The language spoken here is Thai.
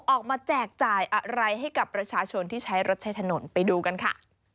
แจกจ่ายอะไรให้กับประชาชนที่ใช้รถใช้ถนนไปดูกันค่ะ